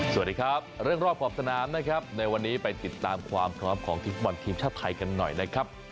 สวัสดีครับเรื่องรอบขอบสนามนะครับในวันนี้ไปติดตามความพร้อมของทีมฟุตบอลทีมชาติไทยกันหน่อยนะครับ